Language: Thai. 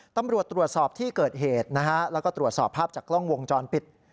ตำรวจตรวจสอบที่เกิดเหตุนะฮะแล้วก็ตรวจสอบภาพจากกล้องวงจรปิด